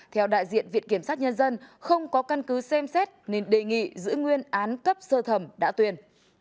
theo đại diện viện kiểm sát nhân dân không có căn cứ xem xét nên đề nghị giữ nguyên án cấp sơ thẩm đã tuyên